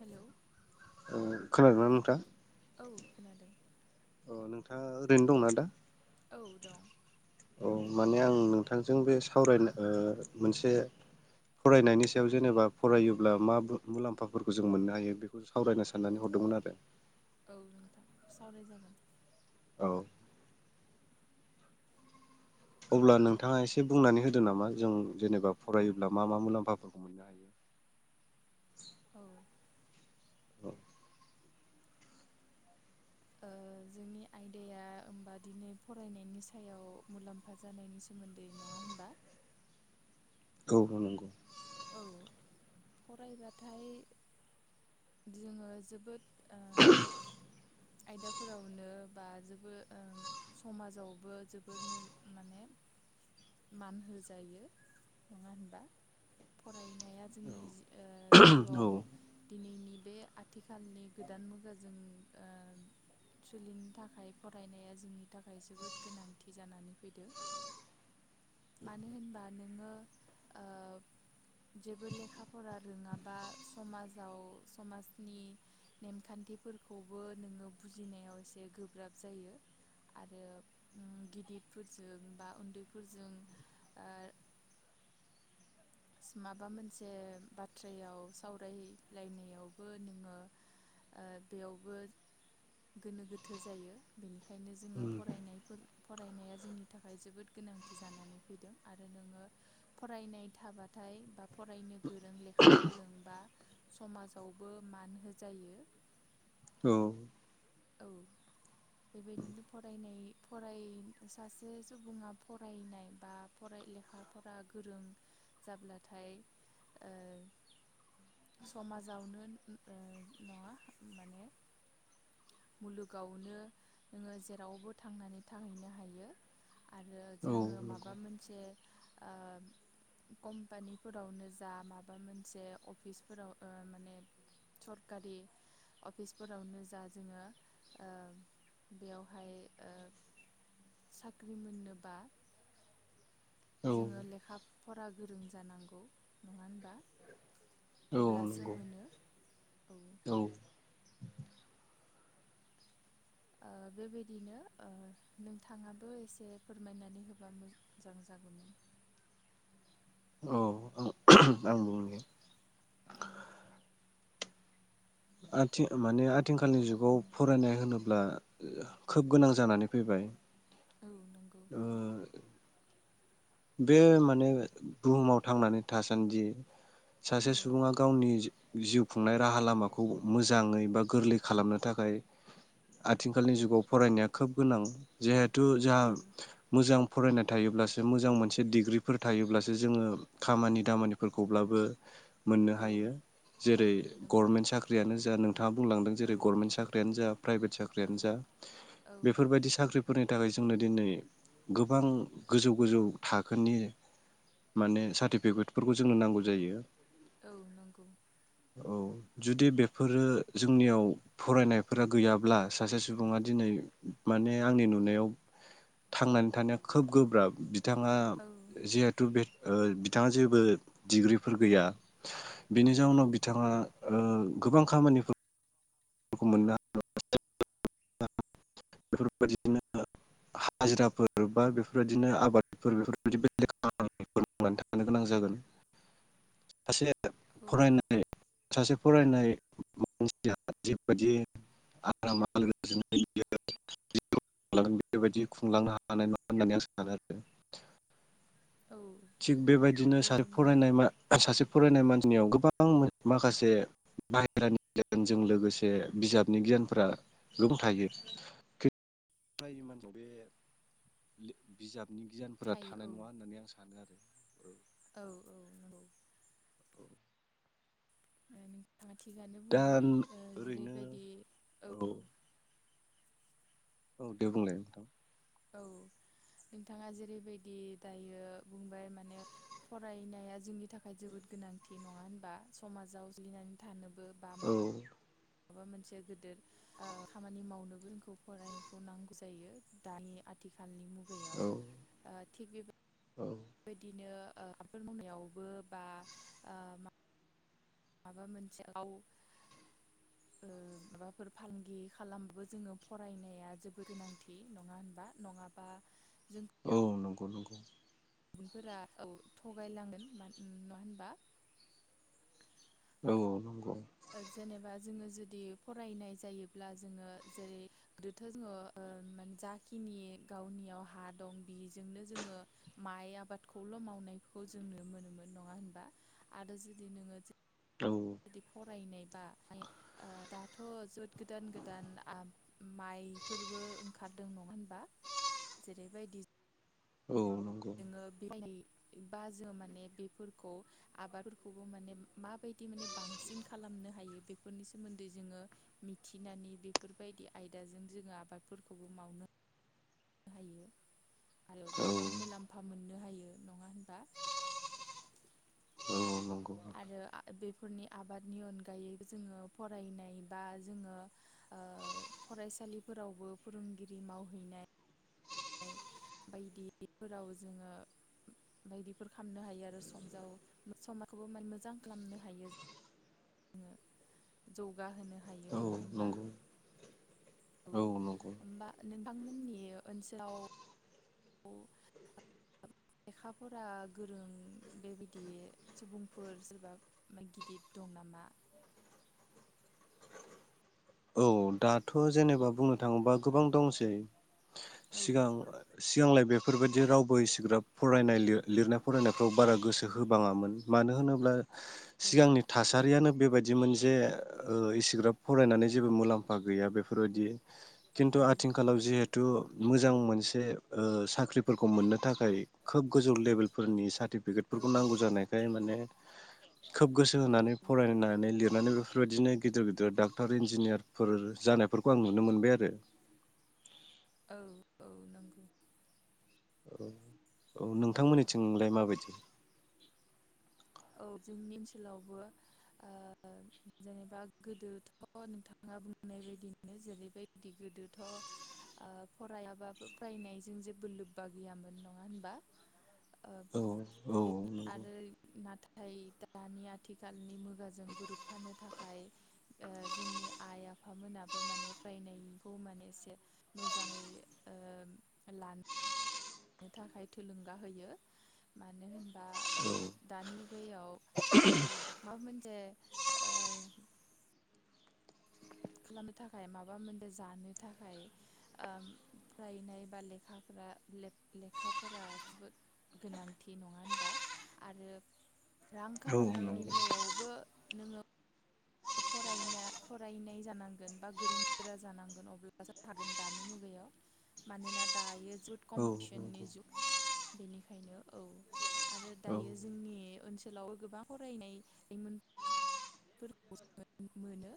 Hello ओ खोनादोंना नोंथां? औ खोनादों। अ नोंथांङा ओरैनो दंना दा? औ दं औ माने आं नोंथांजों बे सावरायनो ओ मोनसे फरायनायनि सायाव जेनेबा फरायोब्ला मा बु मुलाम्फाफोरखौ जों मोननो हायो बेखौ सावरायनो औ साननानै हरदोंमोन आरो। सावराय जागोन। औ अब्ला नोंथाङा एसे बुंनानै होदो नामा जों जेनेबा फरायोब्ला मा मा मुलाम्फाफोरखौ मोननो हायो? औ औ ओ जोंनि आयदाया होमबा दिनै फरायनायनि सायाव मुलाम्फा जानायनि सोमोन्दै नङा होनबा? औ नंगौ। औ फरायबाथाय जोङो जोबोद ओ आयदाफोरावनो बा जोबो ओ समाजावबो जोबोद मो माने मान होजायो नङा होनबा? फरायनाया जोंनि जि ओ औ जिउवाव दिनैनि बे आथिखालनि गोदान मुगाजों ओ सोलिनो थाखाय फरायनाया जोंनि थाखाय जोबोद गोनांथि जानानै फैदो मानो होनबा नोङो ओ जेबो लेखा फरा रोङाबा समाजाव समाजनि नेमखान्थिफोरखौबो नोङो बुजिनायाव एसे गोब्राब जायो आरो उम गिदिरफोरजों बा उन्दैफोरजों ओ माबा मोनसे बाथ्रायाव सावरायलायनायावबो नोङो बेयावबो गोनो गोथो जायो बेनि खायनो जोङो फरायनायफोर फरायनाया जोंनि थाखाय जोबोद गोनांथि जानानै फैदों आरो नोङो फरायनाय थाबा नाथाय बा फरायनो गोरों लेखा गोरोंबा समाजावबो मान होजायो। औ। औ बेबायदिनो फरायनाय फराय सासे सुबुङा फरायनाय बा फराय लेखा फरा गोरों जाब्लाथाय ओ समाजावनो [unintelligible] मुलुगावनो नोङो जेरावबो थांनानै थाहैनो हायो। आरो जोङो माबा औ मोनसे ओ कम्पानिफोरावनो जा माबा मोनसे अफिसफोराव माने सरकारि अफिसफोरावनो जा जोङो ओ बेयावहाय ओ साख्रि मोननोबा जोङो लेखा फरा गोरों जानांगौ नङा होनबा। औ अब्लासो नंगौ मोनो। [unintelligible] ओ बेबायदिनो ओ नोंथाङाबो एसे फोरमायनानै होबा मोजां जागौमोन। औ [unintelligible] आं बुंनि। औ। आथि माने आथिंखालनि जुगाव फरायनाय होनोब्ला खोब गोनां जानानै फैबाय। औ नंगौ ओ। बे माने बुहुमाव थांनानै थासान्दि सासे औ सुबुङा गावनि जिउ खुंनाय राहा लामाखौ मोजाङै बा गोरलै खालामनो थाखाय आथिंखालनि जुगाव फरायनाया खोब गोनां [unintelligible] [unintelligible] जोंहा औ मोजां फरायनाय थायोब्लासो मोजां। मोजां मोनसे डिग्रिफोर थायोब्लासो जोङो खामानि दामानिफोरखौब्लाबो मोननो औ हायो औ जेरै नंगौ गरमेन्ट साख्रियानो जा नोंथाङा बुंलांदों औ जेरै गरमेन्ट साख्रियानो जा प्राइभेट औ साख्रियानो जा औ बेफोरबायदि साख्रि फोरनि थाखाय जोंनो दिनै गोबां गोजौ-गोजौ थाखोनि माने सार्टिफिकेटफोरखौ जोंनो नांगौ जायो। औ नंगौ औ जुदि बेफोरो जोंनियाव फरायनायफोरा गैयाब्ला सासे सुबुङा दिनै माने आंनि नुनायाव थांनानै थानाया खोब गोब्राब बि बिथाङा औ जिहेथु बे ओ बिथाङा जेबो डिग्रिफोर गैया। औ बिनि जाउनाव बिथाङा ओ गोबां खामानिफोर [unintelligible] गोनां जागोन। [unintelligible] औ फरायनाय सासे फरायनाय [unintelligible] नङा होननानै आं सानो आरो औ थिग बेबायदिनो सासे औ फरायनाय [unintelligible] फरायनाय मानसिनियाव गोबां माखासे बाहेरानि गियानजों लोगोसे बिजाबनि गियानफोरा गोबां थायो खि फरायि मानसिया बे बिजाब नि गियानफोरा थानाय थायो औ नङा होननानै आं सानो आरो औ औ औ नंगौ ओ नो थाङा थिगानो दा बुंदों ओ ओरैनो जेरैबायदि औ औ औ दे बुंलाय नोंथां औ नोंथाङा जेरैबायदि दायो बुंबाय माने फरायनाया जोंनि थाखाय जोबोद गोनांथि नङा होनबा समाजाव जलिनानै थानो औ माबा मोनसे गेदोर खामानि मावनोबो जोंखौ फरायनायखौ नांगौ जायो दानि आथि- खालनि मुगायाव औ थिग बेब औ बेबायदिनो ओ आबाद मावनायावबो बा ओ मा माबा मोनसे गाव ओ माबाफोर फालांगि खालामाबो जोङो फरायनाया जोबोद गोनांथि नङा होनबा नङाबा जों औ नंगौ नंगौ [unintelligible] गुबुनफोरा औ थगायलांगोन नङा होनबा औ औ नंगौ जेनेबा जोङो जुदि फरायनाय जायोब्ला जोङो जेरै गोदोथ' जोङो जाखिनि गावनियाव हा दं बेजोंनो जोङो माइ आबादखौल' मावनायखौ जों नुनो मोनोमोन नङा होनबा आरो जुदि नोङो औ जुदि फरायनाय बा ओ दाथ' जोद गोदान गोदान माइफोरबो ओंखारदों नङा होनबा जेरैबायदि औ नंगौ जोङो बेबायदि बा जो माने बेफोरखौ आबादफोरखौबो माने माबायदि माने बांसिन खालामनो हायो बेफोरनि सोमोन्दै जोङो मिथिनानै बेफोरबायदि आयदाजों जोङो आबादफोरखौबो मावनो हायो आरो औ गोबां मुलाम्फा मोननो हायो नङा होनबा? औ नंगौ आरो बेफोरनि आबादनि अनगायै जोङो फरायनाय बा जोङो ओ फरायसालिफोरावबो फोरोंगिरि मावहैनाय बायदिफोराव जोङो बायदिफोर खामनो हायो आरो सम जाव समखौबो माने मोजां खालामनो हायो जोङो। जौ गा होनो हायो औ नङा होनबा? नंगौ औ नंगौ होमबा नोंथांमोननि ओनसो लाव लेखाफरा गोरों बेबायदि सुबुंफोर सोरबा गिदिद दं नामा? औ दाथ' जेनेबा बुंनो थाङोबा गोबां दंसै। औ सिगां सिगांलाय बेफोरबायदि रावबो एसिग्राब फरायनाय लिरनाय फरायनायफ्राव बारा गोसो होबाङामोन मानो होनोब्ला औ सिगांनि थासारियानो बेबायदि मोनसे इसिग्राब फरायनानै जेबो मुलाम्फा गैया बेफोरबायदि किन्तु औ आथि तु मोजां मोनसे ओ साख्रिफोरखौ मोननो थाखाय खोब गोजौ लेबेलफोरनि सा औ सार्टिफिकेटफोरखौ नांगौ जानाय नाय माने खोब गोसो औ होनानै फरायनानै लिर माने बेफोरबायदिनो गेदेर गेदेर डाक्टार इन्जिनियार फोर जानायफोरखौ आं नुनो मोनबाय आरो औ औ नोंगौ। औ औ नोंथांमोननिथिंलाय माबायदि? औ जोंनि ओनसोलावबो ओ जेनेबा गोदोथ' नोंथाङा बुंनाय बायदिनो जेरैबायदि गोदोथ' फरायाबाबो फरायनायजों जेबो लोब्बा गैयामोन नङा होनबा? ओ औ औ बे नोंगौ। आरो नाथाय दानि आथिखालनि मुगाजों गोरोबफानो थाखाय ओ जोंनि आइ आफा मोनाबो माने फरायनायखौ माने एसे मोजाङै ओ लानो थाखाय थुलुंगा होयो मानो होन बा दानि मुगायाव माबा मोनसे ओ खालामनो थाखाय माबा मोनसे जानो थाखाय ओ फरायनाय बा लेखाफोरा ले-ले-लेखाफरा जोबोद गोनांथि नङा होनबा? आरो रां औ खामायनायनि नंगौ बेलायावबो नोङो फरायनो फरायनाय जानांगोन बा गोरों गोरा जानांगोन अब्लासो हागोन दानि मुगायाव मानोना दायो जुग औ कमपिटिसननि नंगौ जुग बेनिखायनो औ आरो औ दायो जोंनि ओनसोलाव गोबां फरायनाय लाइमोन फोरखौ मोनो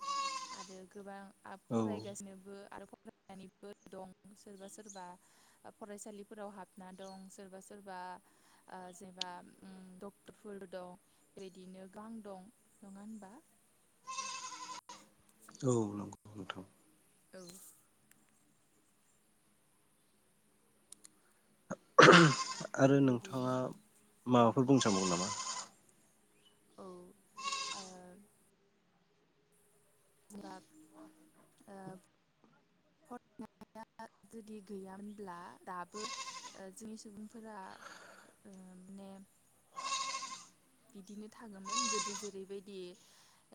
आरो गोबां औ फरायगासिनोबो आरो फरायनानैबो दं सोरबा सोरबा फरायसालिफोराव हाबना दं सोरबा सोरबा ओ जेनेबा उम डक्टरफोर दं बेदिनो गोबां दं नङा होनबा? औ नंगौ नोंथां। औ। आरो बेबायदिनो नोंथाङा आरो माबाफोर बुंनो सानबावगोन नामा? औ ओ जबा फरायनाया जुदि गैयामोनब्ला दाबो जोंनि सुबुंफोरा माने बिदिनो थाङोमोन गोदो जेरैबायदि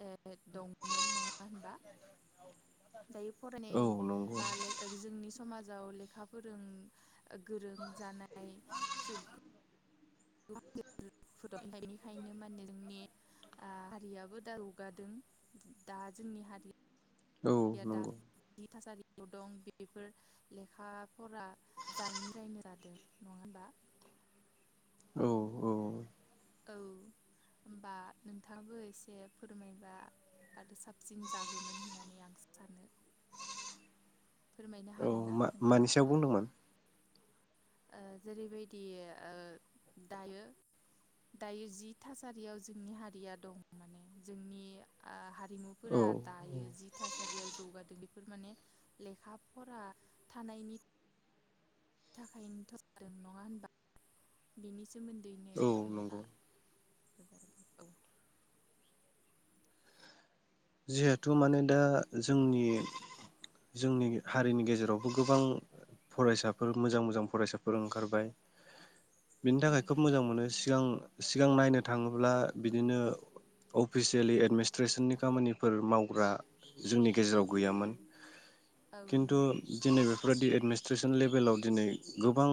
ओ दंमोन नङा मा होनबा दायो फरायनाय औ नंगौ बा जोंनि समाजाव लेखा फोरों गोरों जानाय सु फद बेनिखायनो माने जोंनि हारियाबो दा रगादों दा जोंनि हारिया औ रिया दा नंगौ थासारियाव दं बेफोर लेखाफोरा जायैनि रायनो जादों नङा होनबा? औ औ औ होनबा नोंथाङाबो एसे फोरमायबा आरो साबसिन जागौमोन होननानै आं सानो फोरमायनो औ हागोन ना? मा-मानि नोंथाङा सायाव बुंदोंमोन ओ जेरैबायदि ओ दायो दायो जि थासारियाव जोंनि हारिया दं माने जोंनि आ हारि औ हारिमुफोरा दायो जिथास याव जौगादों बेफोर माने लेखा फरा थानायनि थाखायनोथ' जादों नङा होनबा? बिनि सोमोन्दैनोनि औ एसे फोरमायना नंगौ जिहेथु माने दा जोंनि जोंनि हारिनि गेजेरावबो गोबां फरायसाफोर मोजां मोजां फरायसाफोर ओंखारबाय बिनि औ थाखाय खोब मोजां मोनो गां सिगां नायनो थाङोब्ला बिदिनो अफिसियेलि एडमिनिस्ट्रेसननि खामानि फोर मावग्रा जोंनि गेजेराव औ गैयामोन औ खिन्थु नंगौ दिनै बेफोरबादि एद मिस्ट्रेसन लेभेलाव दिनै गोबां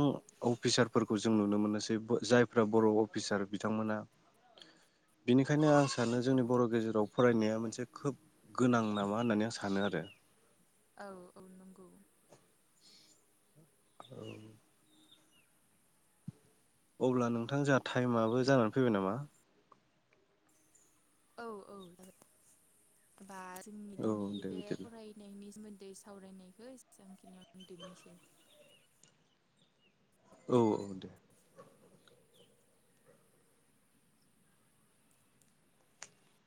अफिसारफोरखौ जों नुनो मोनोसै जायफ्रा बर अफिसार बिथांमोना बिनिखायनो आं सा सानो औ जोंनि बरगेजेराव फरायनाया मोनसे खोब गोनां नामा होननानै आं सानो आरो औ औ नंगौ औ अब्ला नोंथां जोंहा टाइमआबो जानानै फैबाय नामा? औ औ जाबाय बा जोंनि औ दिनै दे बे बिदिब्ला फरायनायनि सोमो दै सावरायनायखौ एसेबांखिनियाव [unintelligible] औ औ दे